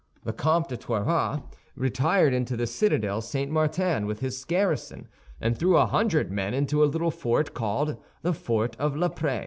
The Comte de Toiras retired into the citadel St. Martin with his garrison, and threw a hundred men into a little fort called the fort of La Prée.